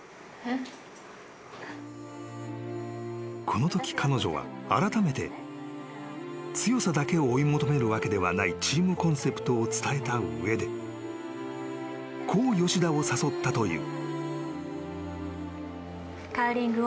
［このとき彼女はあらためて強さだけを追い求めるわけではないチームコンセプトを伝えた上でこう吉田を誘ったという］